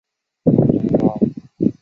贝布尔河畔雅利尼人口变化图示